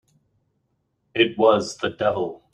It was the devil!